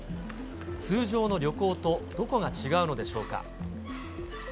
通常の旅行とどこが違うのでしょうか。